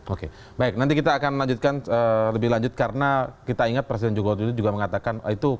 oke baik nanti kita akan melanjutkan lebih lanjut karena kita ingat presiden jokowi dodo juga mengatakan itu percayakan saja kepada kepala pemerintah